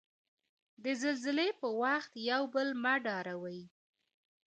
د زلزلې په وخت یو بل مه ډاروی.